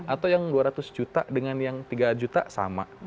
atau yang dua ratus juta dengan yang tiga juta sama